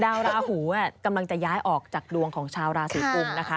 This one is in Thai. ราหูกำลังจะย้ายออกจากดวงของชาวราศีกุมนะคะ